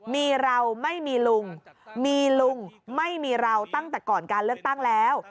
มีเราไม่มีลุงมีลุงไม่มีเราตั้งแต่ก่อนการเลือกตั้งแล้ว